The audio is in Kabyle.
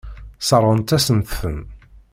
Sseṛɣent-asent-ten.